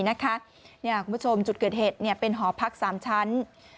คุณผู้ชมจุดเกิดเหตุเป็นหอพัก๓ชั้น